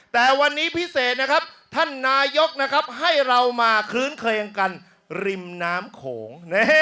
แต่วันนี้พิเศษนะครับท่านนายกนะครับให้เรามาคลื้นเคลียงกันริมน้ำโขง